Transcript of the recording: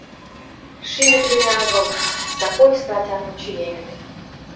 Шинӹт веле агыл, сакой статян мучыенӹт.